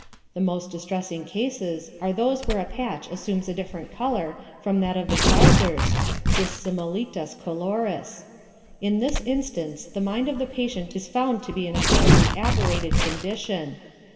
The most distressing cases are those where the patch assumes a different colour from that of the trousers (dissimilitas coloris). In this instance the mind of the patient is found to be in a sadly aberrated condition.